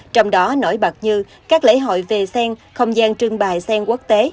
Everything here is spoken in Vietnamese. trong đó nổi bật như các lễ hội về sen không gian trưng bày sen quốc tế